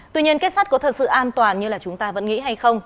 tuy nhiên kết sát có thật sự an toàn như chúng ta vẫn nghĩ hay không